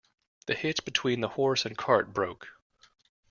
The hitch between the horse and cart broke.